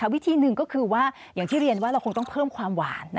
วิธีหนึ่งก็คือว่าอย่างที่เรียนว่าเราคงต้องเพิ่มความหวาน